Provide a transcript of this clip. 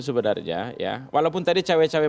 sebenarnya ya walaupun tadi cewek cewek